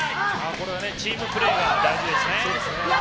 これはチームプレーが大事ですね。